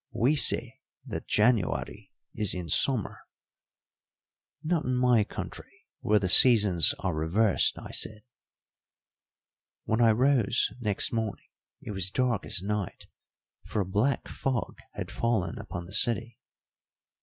We say that January is in summer." "Not in my country, where the seasons are reversed," I said. "When I rose next morning it was dark as night, for a black fog had fallen upon the city."